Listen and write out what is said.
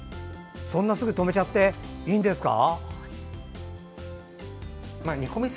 そんなすぐ止めちゃっていいんですか。